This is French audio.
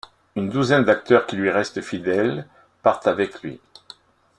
Une douzaine d'acteurs qui lui restent fidèles partent avec lui.